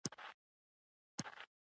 د اورنګزیب وروسته امپراتوري کمزورې شوه.